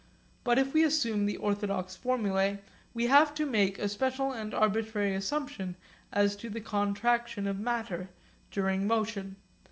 But if we assume the orthodox formulae we have to make a special and arbitrary assumption as to the contraction of matter during motion.